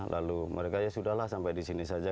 lalu mereka ya sudah lah sampai di sini saja